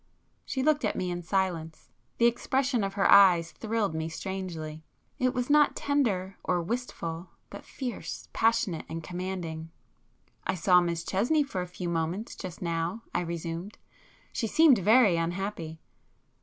She looked at me in silence. The expression of her eyes thrilled me strangely,—it was not tender or wistful, but fierce, passionate and commanding. "I saw Miss Chesney for a few moments just now"—I resumed,—"She seemed very unhappy."